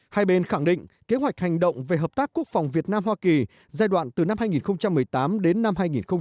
hai bên khẳng định kế hoạch hành động về hợp tác quốc phòng việt nam hoa kỳ giai đoạn từ năm hai nghìn một mươi tám đến năm hai nghìn hai mươi